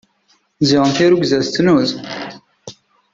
Ziɣen tirrugza tettnuz.